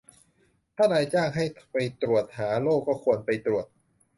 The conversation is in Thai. ถ้านายจ้างให้ไปตรวจหาโรคก็ควรไปตรวจ